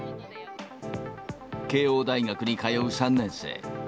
慶応大学に通う３年生。